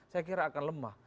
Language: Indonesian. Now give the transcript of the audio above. saya kira akan lemah